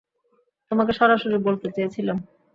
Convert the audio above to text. তোমাকে সরাসরি বলতে চেয়েছিলাম।